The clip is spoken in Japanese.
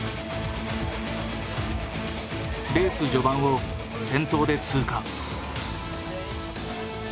レース序盤を先頭で通過。